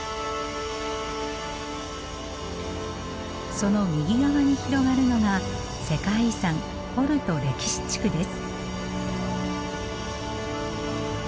その右側に広がるのが世界遺産ポルト歴史地区です。